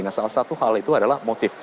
nah salah satu hal itu adalah motif